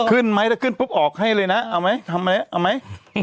ขึ้นไหมถ้าขึ้นปุ๊บออกให้เลยนะเอาไหมทำอะไรเอาไหม